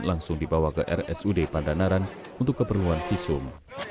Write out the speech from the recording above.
langsung dibawa ke rsud pandanaran untuk keperluan visum